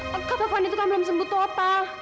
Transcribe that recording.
ketaufan itu kan belum sembuh total